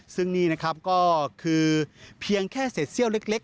ซึ่งนี่ก็คือเพียงแค่เสร็จเสี่ยวเล็ก